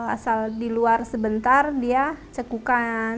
asal di luar sebentar dia cekukan